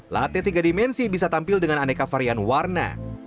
latte tiga dimensi bisa tampil dengan aneka varian warna